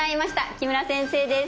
木村先生です。